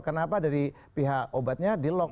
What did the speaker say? kenapa dari pihak obatnya dilock